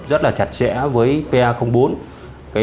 rất là chặt chẽ với pa bốn